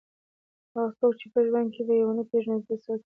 هغه څوک چې په ژوند کې به یې ونه پېژني چې زه څوک یم.